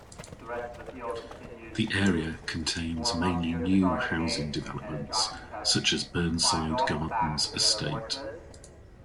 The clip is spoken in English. The area contains mainly new housing developments such as Burnside Gardens Estate.